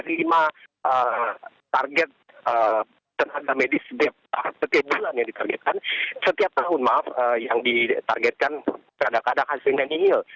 dari lima target tenaga medis setiap bulan yang ditargetkan setiap tahun yang ditargetkan terkadang hasilnya nihil